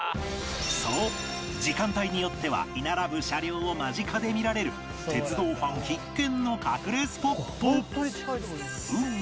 そう時間帯によっては居並ぶ車両を間近で見られる鉄道ファン必見の隠れスポット！